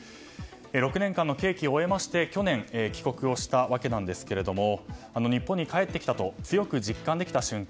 ６年間の刑期を終えまして去年、帰国したわけなんですが日本に帰ってきたと強く実感できた瞬間